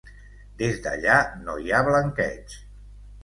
Des d'allà, no hi ha blanqueig.